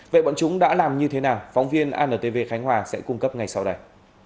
vậy bọn chúng đã làm như thế nào phóng viên antv khánh hòa sẽ cung cấp ngay sau đây